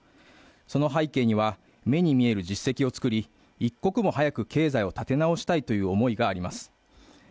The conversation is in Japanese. その背景には、目に見える実績をつくり、一刻も早く経済を立て直したいという思いがあります。